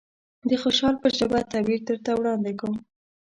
د خوشحال په ژبه تعبير درته وړاندې کوم.